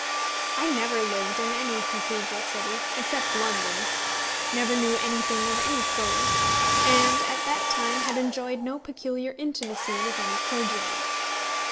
I never lived in any cathedral city, except London, never knew anything of any Close, and at that time had enjoyed no peculiar intimacy with any clergyman.